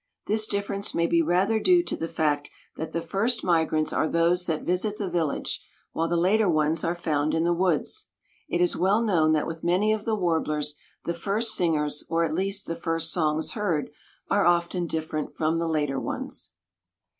This difference may be rather due to the fact that the first migrants are those that visit the village, while the later ones are found in the woods. It is well known that with many of the warblers the first singers, or at least the first songs heard, are often different from the later ones.